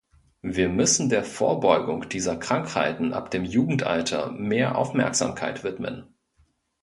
Wir müssen der Vorbeugung dieser Krankheiten ab dem Jugendalter mehr Aufmerksamkeit widmen.